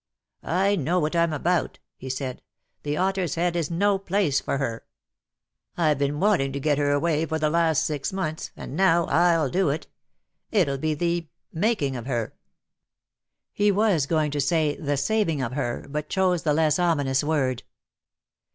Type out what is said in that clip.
"I know what I'm about," he said. "The 'Otter's Head' is no place for her. I've been wanting to get 74 DEAD LOVE HAS CHAINS. her away for the last six months ; and now I'll do it It'll be the — making of her." He was going to say the saving of her — but chose the less ominous word.